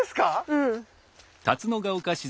うん。